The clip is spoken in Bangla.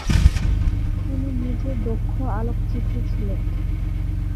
তিনি নিজে দক্ষ আলোকচিত্রী ছিলেন।